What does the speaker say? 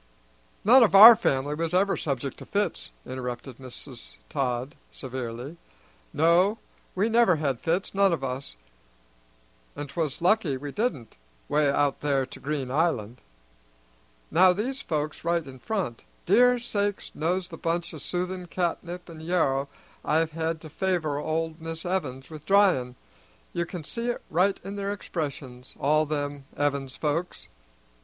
"None of our family was ever subject to fits," interrupted Mrs. Todd severely. "No, we never had fits, none of us; and 'twas lucky we didn't 'way out there to Green Island. Now these folks right in front; dear sakes knows the bunches o' soothing catnip an' yarrow I've had to favor old Mis' Evins with dryin'! You can see it right in their expressions, all them Evins folks.